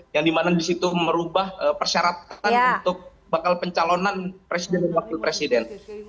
yang dimana disitu merubah persyaratan untuk bakal pencalonan presiden dan wakil presiden